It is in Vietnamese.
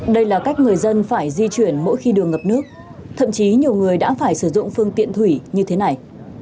đây là cách người dân phải di chuyển mỗi khi đường ngập nước thậm chí nhiều người đã phải sử dụng phương tiện thủy như thế này